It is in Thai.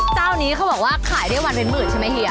เจ้านี้เขาบอกว่าขายได้วันเป็นหมื่นใช่ไหมเฮีย